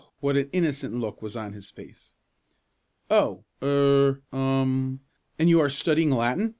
what an innocent look was on his face! "Oh! er um and you are studying Latin?"